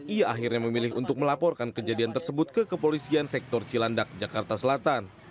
ia akhirnya memilih untuk melaporkan kejadian tersebut ke kepolisian sektor cilandak jakarta selatan